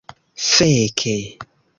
feke